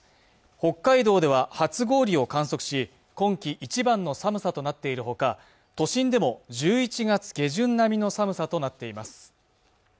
北海道では初氷を観測し今季一番の寒さとなっているほか都心でも１１月下旬並みの寒さとなっています